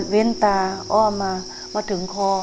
เว้นตาอ้อมมามาถึงคอ